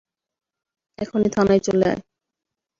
এখনই থানায় চলে আয়।